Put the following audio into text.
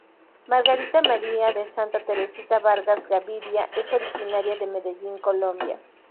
Margarita María de Santa Teresita Vargas Gaviria es originaria de Medellín, Colombia.